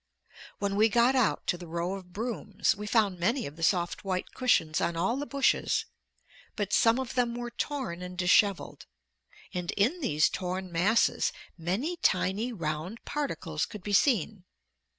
When we got out to the row of brooms, we found many of the soft white cushions on all the bushes. But some of them were torn and dishevelled. And in these torn masses many tiny round particles could be seen.